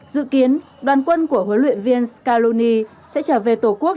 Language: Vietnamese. dự kiến đoàn quân của huấn luyện viên scaroni sẽ trở về tổ quốc